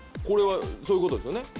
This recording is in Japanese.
これはそういうことですよね？